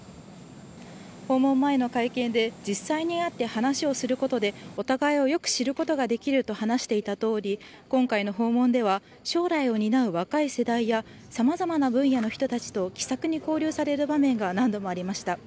訪問前の会見で、実際に会って話をすることで、お互いをよく知ることができると話していたとおり、今回の訪問では、将来を担う若い世代や、さまざまな分野の人たちと気さくに交流される場面が何度もありました。